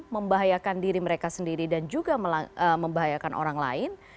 membahayakan diri mereka sendiri dan juga membahayakan orang lain